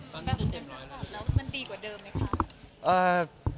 แล้วมันดีกว่าเดิมไหมคะ